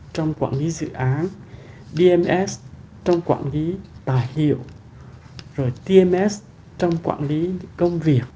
trong quản lý dự án dms trong quản lý tài hiệu rồi tms trong quản lý công việc